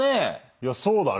いやそうだね。